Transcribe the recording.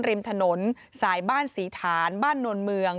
ริมถนนสายบ้านศรีฐานบ้านนวลเมือง